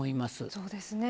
そうですね。